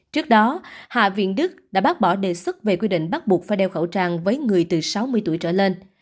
trước đó hạ viện đức đã bác bỏ đề xuất về quy định bắt buộc phải đeo khẩu trang với người từ sáu mươi tuổi trở lên